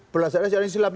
perasaan syariah islam